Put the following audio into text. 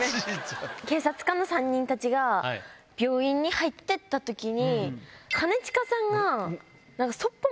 警察官の３人たちが病院に入ってった時に。